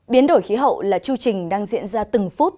biến đổi khí hậu là chu trình đang diễn ra từng phút